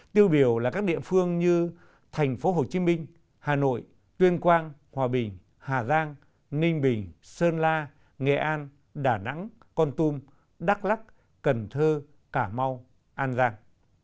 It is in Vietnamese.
tiêu biểu là các địa phương như thành phố hồ chí minh hà nội tuyên quang hòa bình hà giang ninh bình sơn la nghệ an đà nẵng con tum đắk lắc cần thơ cả mau an giang